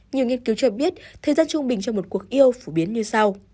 nhiều nghiên cứu cho biết thời gian trung bình trong một cuộc yêu phổ biến như sau